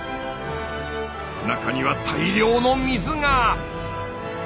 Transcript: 中には大量の水が！